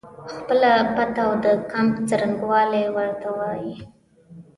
خپله پته او د کمپ څرنګوالی ورته ووایي.